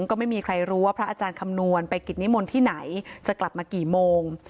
ก็ไม่มีใครรู้ว่าพระอาจารย์คำนวณไปกิจนิมนต์ที่ไหนจะกลับมากี่โมง